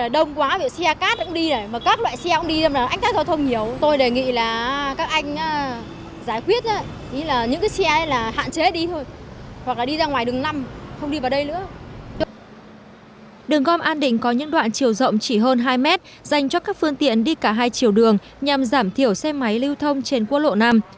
đường gom an định có những đoạn chiều rộng chỉ hơn hai mét dành cho các phương tiện đi cả hai chiều đường nhằm giảm thiểu xe máy lưu thông trên quốc lộ năm